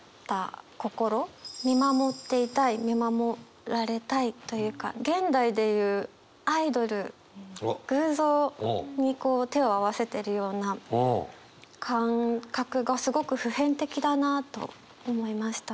見守っていたい見守られたいというか現代で言うアイドル偶像にこう手を合わせてるような感覚がすごく普遍的だなと思いました。